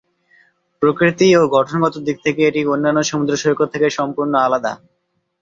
প্রকৃতি ও গঠনগত দিক থেকে এটি অন্যান্য সমুদ্র সৈকত থেকে সম্পূর্ণ আলাদা।